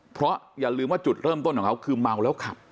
เพราะอย่าลืมว่าจุดเริ่มต้นของเขาคือเมาแล้วขับ